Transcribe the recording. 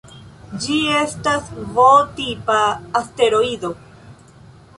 Ĝi estas V-tipa asteroido.